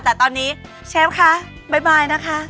แต่ตอนนี้เชฟคะบ๊ายนะคะ